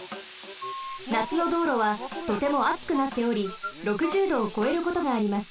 なつのどうろはとてもあつくなっており６０℃をこえることがあります。